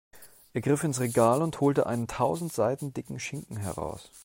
Er griff ins Regal und holte einen tausend Seiten dicken Schinken heraus.